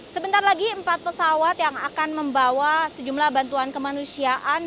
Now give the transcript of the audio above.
sebentar lagi empat pesawat yang akan membawa sejumlah bantuan kemanusiaan